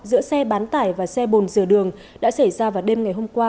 giữa xe bán tải và xe bồn rửa đường đã xảy ra vào đêm ngày hôm qua